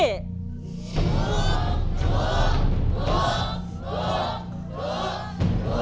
หัวหัวหัว